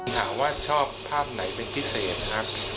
ถามว่าชอบภาพไหนเป็นพิเศษครับ